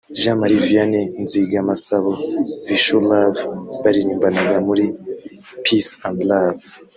Jean Marie Vianney Nzigamasabo [Vichou Love] baririmbanaga muri Peace and Love